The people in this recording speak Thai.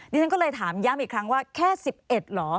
ฉันก็เลยถามย้ำอีกครั้งว่าแค่๑๑เหรอ